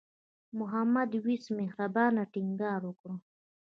محمد وېس مهربان ټینګار وکړ.